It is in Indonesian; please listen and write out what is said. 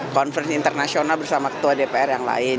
konference internasional bersama ketua dpr yang lain